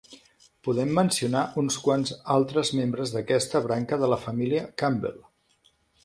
Podem mencionar uns quants altres membres d'aquesta branca de la família Campbell.